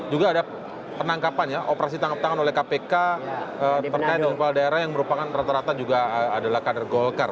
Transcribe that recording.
juga ada penangkapan ya operasi tangkap tangan oleh kpk terkait dengan kepala daerah yang merupakan rata rata juga adalah kader golkar